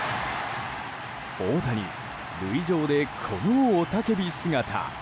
大谷、塁上でこの雄たけび姿。